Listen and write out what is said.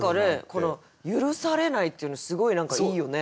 「ゆるされない」っていうのすごい何かいいよね。